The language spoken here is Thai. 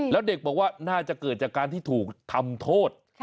แล้วเด็กบอกว่าน่าจะเกิดจากการที่ถูกทำโทษ